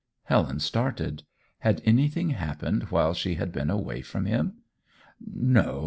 Helen started. Had anything happened while she had been away from him? "No.